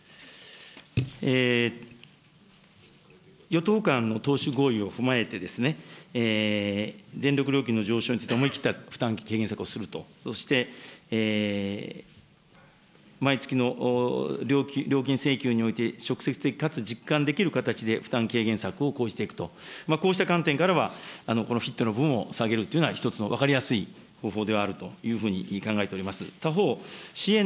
与党間の党首合意を踏まえて、電力料金の上昇に伴って負担軽減策をすると、そして、毎月の料金請求において直接的かつ実感できる形で負担軽減策を講じていくと、こうした観点からは、このフィットの部分を下げるというのは一つの分かりやすい方法ではあるというふうに考えております。